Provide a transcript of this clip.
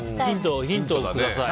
ヒントください。